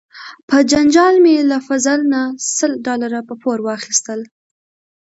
په جنجال مې له فضل نه سل ډالره په پور واخیستل.